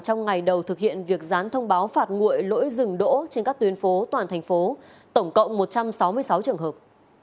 trong ngày đầu thực hiện việc gián thông báo phạt nguội lỗi dừng đỗ trên các tuyến phố toàn thành phố tổng cộng một trăm sáu mươi sáu trường hợp